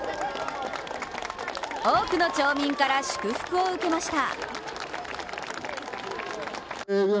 多くの町民から祝福を受けました。